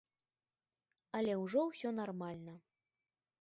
Але ўжо ўсё нармальна.